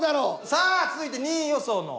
さあ続いて２位予想の。